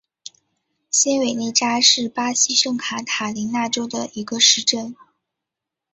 新韦内扎是巴西圣卡塔琳娜州的一个市镇。